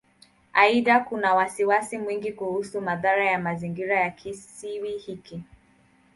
Aidha, kuna wasiwasi mwingi kuhusu madhara ya mazingira ya Kisiwa hiki.